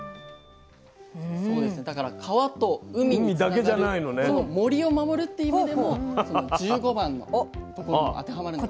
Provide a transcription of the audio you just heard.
だから川と海につながるその森を守るっていう意味でもその１５番のところも当てはまるんじゃないかなと。